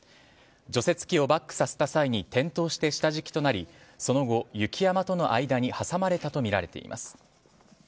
除雪機をバックさせた際に転倒して下敷きとなりその後、雪山との間に挟まれたとみられています。